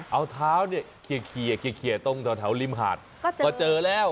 เอาเท้าเนี่ยเคลียร์ตรงแถวริมหาดก็เจอแล้ว